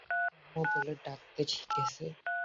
তোমাকে আব্বু বলে ডাকতে শিখেছে।